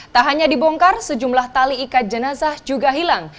tak hanya dibongkar sejumlah tali ikat jenazah juga hilang